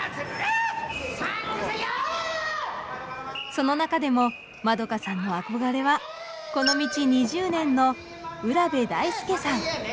その中でもまどかさんの憧れはこの道２０年の浦辺大輔さん。